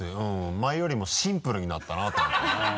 前よりもシンプルになったなと思って。